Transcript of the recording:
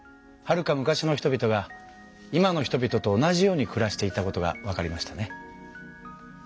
はるか昔の人々が今の人々と同じように暮らしていたことがわかりましたね。